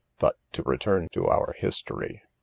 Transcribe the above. —But to return to our history.